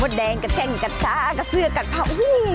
มดแดงกับแจ้งอีกกระจ้ากับเสือกากับพร้าว